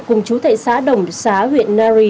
cùng chú thệ xá đồng xá huyện nari